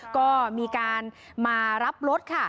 ก็มีการมารับรถค่ะ